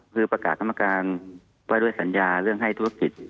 คือประกาศกรรมการไว้ด้วยสัญญาเรื่องให้ธุรกิจ